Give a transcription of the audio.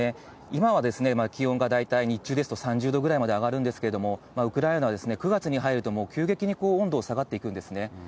今は気温が大体、日中ですと３０度ぐらいまで上がるんですけれども、ウクライナは９月に入ると、もう急激に温度が下がっていくんですね。